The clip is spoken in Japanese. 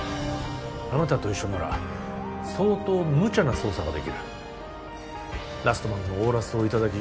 あなたと一緒なら相当むちゃな捜査ができるラストマンのオーラスをいただき